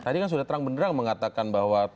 tadi kan sudah terang benderang mengatakan bahwa